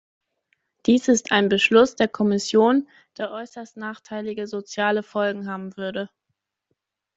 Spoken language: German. Dies ist ein Beschluss der Kommission, der äußerst nachteilige soziale Folgen haben würde.